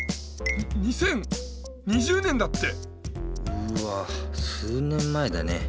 うわ数年前だね。